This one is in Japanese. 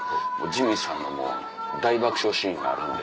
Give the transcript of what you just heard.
ジミーさんのもう大爆笑シーンがあるんで。